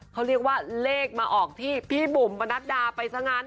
เขาเรียกว่าเลขมาออกที่พี่บุ๋มประนัดดาไปซะงั้น